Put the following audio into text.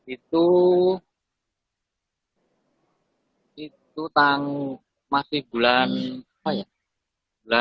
itu itu tanggung masih bulan apa ya